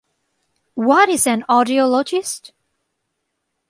What is an audiologist?